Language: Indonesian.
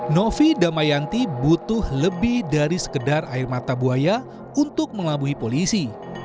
novi damayanti butuh lebih dari sekedar air mata buaya untuk melabuhi polisi